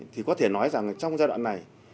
thì có thể nói rằng trong giai đoạn này